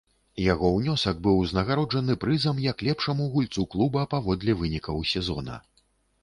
Яго ўнёсак быў узнагароджаны прызам як лепшаму гульцу клуба паводле вынікаў сезона.